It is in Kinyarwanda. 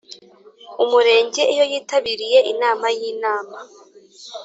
Umurenge iyo yitabiriye inama y Inama